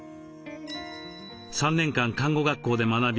３年間看護学校で学び